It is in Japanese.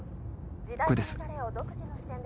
時代の流れを独自の視点で。